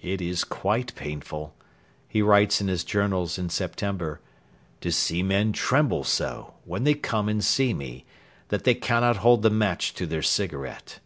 'It is quite painful,' he writes in his Journals in September, 'to see men tremble so, when they come and see me, that they cannot hold the match to their cigarette.'